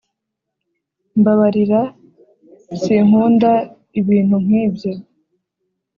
Mbabarira sinkunda ibintu nkibyo